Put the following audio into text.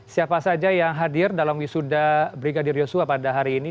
siapa saja yang hadir dalam wisuda brigadir yosua pada hari ini